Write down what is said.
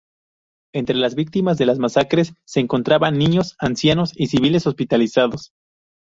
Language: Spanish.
Entre las víctimas de las masacres se encontraban niños, ancianos y civiles hospitalizados.